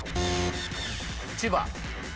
千葉。